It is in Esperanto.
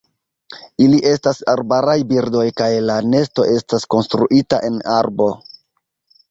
Ili estas arbaraj birdoj, kaj la nesto estas konstruita en arbo.